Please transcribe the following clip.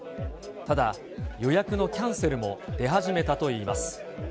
ただ、予約のキャンセルも出始めたといいます。